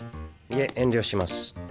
いえ遠慮します。